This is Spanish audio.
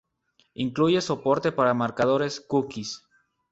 Incluye soporte para marcadores, cookies.